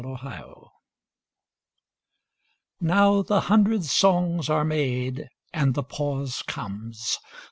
55 EPILOGUE Now the hundred songs are made, And the pause comes.